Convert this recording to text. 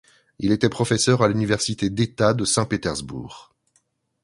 Il était professeur à l'université d'État de Saint-Pétersbourg.